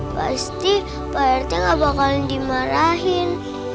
pasti pak rt gak bakalan dimarahin